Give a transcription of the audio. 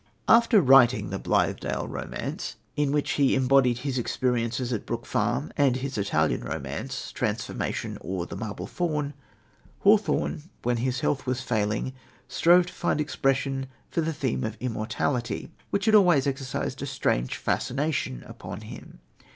After writing The Blithedale Romance, in which he embodied his experiences at Brook Farm, and his Italian romance, Transformation, or The Marble Faun, Hawthorne, when his health was failing, strove to find expression for the theme of immortality, which had always exercised a strange fascination upon him.